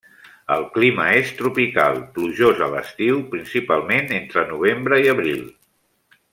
El clima és tropical, plujós a l'estiu, principalment entre novembre i abril.